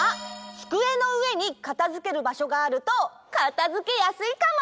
つくえのうえにかたづけるばしょがあるとかたづけやすいかも！